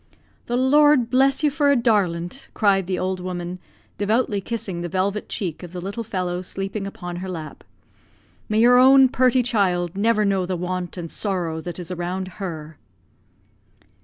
"The Lord bless you for a darlint," cried the old woman, devoutly kissing the velvet cheek of the little fellow sleeping upon her lap. "May your own purty child never know the want and sorrow that is around her."